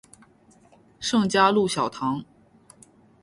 圣嘉禄小堂。